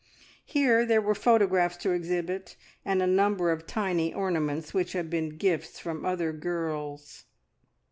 Here there were photographs to exhibit, and a number of tiny ornaments which had been gifts from other girls.